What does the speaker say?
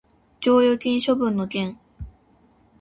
剰余金処分の件